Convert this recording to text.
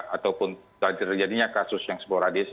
ataupun terjadinya kasus yang sporadis